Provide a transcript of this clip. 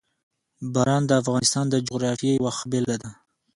باران د افغانستان د جغرافیې یوه ښه بېلګه ده.